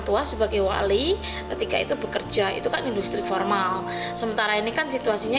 tua sebagai wali ketika itu bekerja itu kan industri formal sementara ini kan situasinya